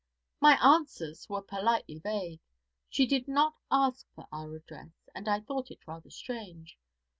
'My answers were politely vague. She did not ask for our address, and I thought it rather strange.